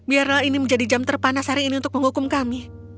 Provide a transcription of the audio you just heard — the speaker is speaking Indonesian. biarlah ini menjadi jam terpanas hari ini untuk menghukum kami